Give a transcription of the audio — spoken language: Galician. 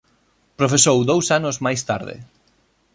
Profesou dous anos máis tarde.